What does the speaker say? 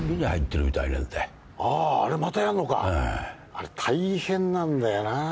あれ大変なんだよなぁ。